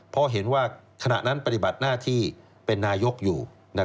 เพราะเห็นว่าขณะนั้นปฏิบัติหน้าที่เป็นนายกอยู่